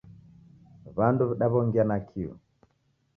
W'andu w'idaw'ongia nakio